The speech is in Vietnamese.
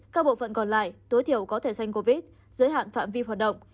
các bộ phận còn lại tối thiểu có thẻ xanh covid giới hạn phạm vi hoạt động